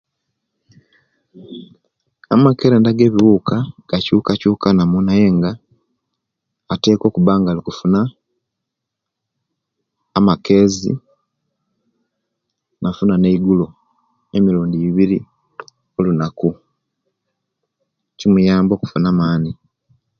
Amakerenda gebiwuuka gakyukakyukanamu; naye nga ateeka okuba nga alikufuna amakezi, nafuna neigulo emirundi ibiri olunaku; kimuyamba okufuna amaani.